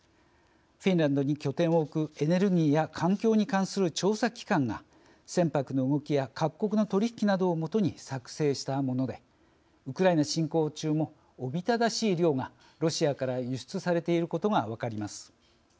フィンランドに拠点を置くエネルギーや環境に関する調査機関が船舶の動きや各国の取り引きなどを基に作成したものでウクライナ侵攻中もおびただしい量がロシアから輸出されていることが分かります。